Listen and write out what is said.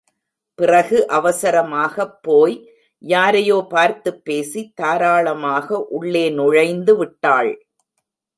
பிறகு அவசரமாகப் போய் யாரையோ பார்த்துப் பேசி, தாராளமாக உள்ளே நுழைந்து விட்டாள்.